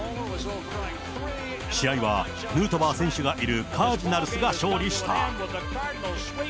試合はヌートバー選手がいるカージナルスが勝利した。